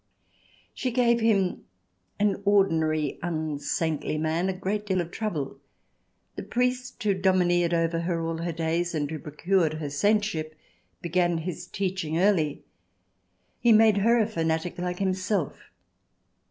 She gave him, an ordinary unsaintly man, a great deal of trouble. The priest who domineered over her all her days, and who procured her saintship, began his teaching early ; he made her a fanatic like himself.